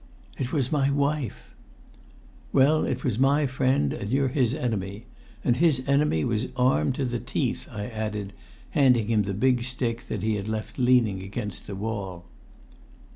"It was my wife." "Well, it was my friend and you're his enemy. And his enemy was armed to the teeth," I added, handing him the big stick that he had left leaning against the wall.